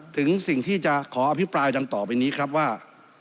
ถึงสิ่งที่จะขออภิปรายดังต่อไปนี้ครับว่า